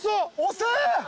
遅え！